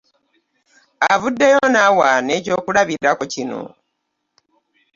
Avuddeyo n'awa n'ekyokulabirako kino